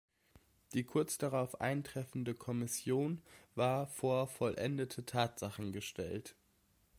Die kurz darauf eintreffende Kommission war vor vollendete Tatsachen gestellt.